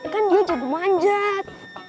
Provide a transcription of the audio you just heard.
kan dia aja yang mau manjat